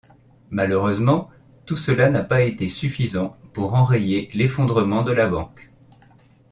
Malheureusement, tout cela n’a pas été suffisant pour enrayer l'effondrement de la banque.